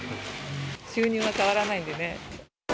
収入は変わらないんでね。